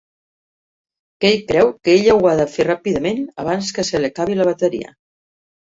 Key creu que ella ho ha de fer ràpidament abans que se li acabi la bateria.